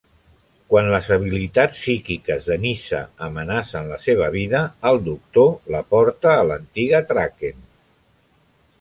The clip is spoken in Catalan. Quan les habilitats psíquiques de Nyssa amenacen la seva vida, el Doctor la porta a l'antiga Traken.